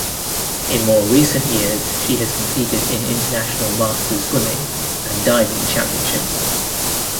In more recent years she has competed in international masters swimming and diving championships.